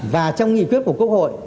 và trong nghị quyết của cộng hội